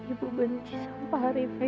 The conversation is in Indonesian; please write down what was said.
ibu benci sumpah reva